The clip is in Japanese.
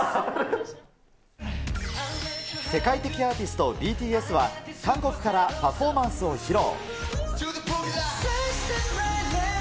世界的アーティスト、ＢＴＳは、韓国からパフォーマンスを披露。